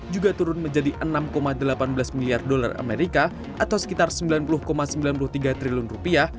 juga turun menjadi enam delapan belas miliar dolar amerika atau sekitar sembilan puluh sembilan puluh tiga triliun rupiah